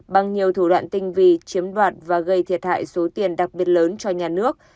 bằng nhiều thủ đoạn tinh vi chiếm đoạt và gây thiệt hại số tiền đặc biệt lớn cho nhà nước